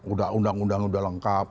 udah undang undangnya udah lengkap